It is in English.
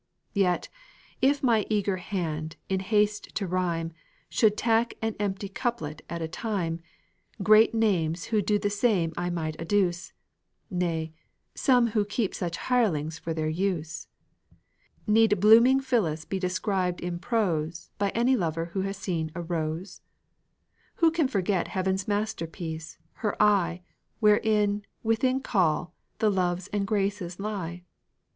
Yet, if my eager hand, in haste to rhyme, Should tack an empty couplet at a time, Great names who do the same I might adduce; Nay, some who keep such hirelings for their use. Need blooming Phyllis be described in prose By any lover who has seen a rose? Who can forget heaven's masterpiece, her eye, Where, within call, the Loves and Graces lie?